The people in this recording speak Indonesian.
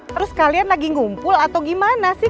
terus kalian lagi ngumpul atau gimana sih